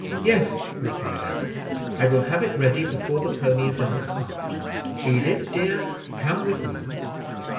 "Yes," replied Alice; "I will have it ready before the pony is in the cart. Edith, dear, come with me."